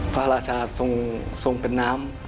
พระราชาทรงเป็นน้ำ